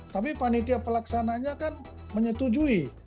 tapi panitia pelaksananya kan menyetujui